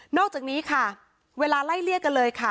อกจากนี้ค่ะเวลาไล่เลี่ยกันเลยค่ะ